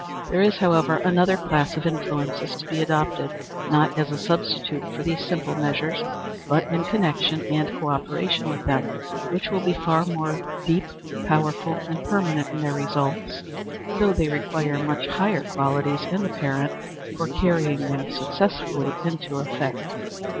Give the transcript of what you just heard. There is, however, another class of influences to be adopted, not as a substitute for these simple measures, but in connection and co operation with them, which will be far more deep, powerful, and permanent in their results, though they require much higher qualities in the parent for carrying them successfully into effect.